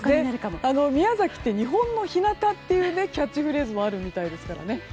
宮崎って日本の日向というキャッチフレーズもあるみたいですからね。